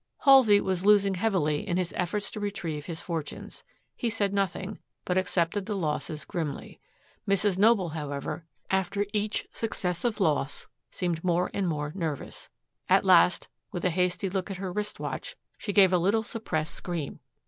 Halsey was losing heavily in his efforts to retrieve his fortunes. He said nothing, but accepted the losses grimly. Mrs. Noble, however, after each successive loss seemed more and more nervous. At last, with a hasty look at her wrist watch, she gave a little suppressed scream.